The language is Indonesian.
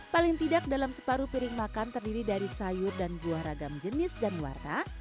paling tidak dalam separuh piring makan terdiri dari sayur dan buah ragam jenis dan warna